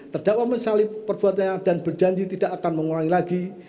terdakwa menyalip perbuatan yang dan berjanji tidak akan mengulangi lagi